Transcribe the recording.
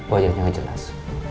wajahnya gak jelas